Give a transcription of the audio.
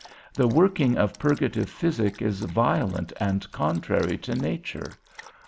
The working of purgative physic is violent and contrary to nature.